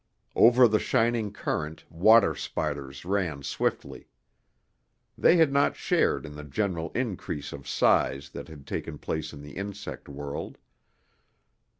Over the shining current, water spiders ran swiftly. They had not shared in the general increase of size that had taken place in the insect world.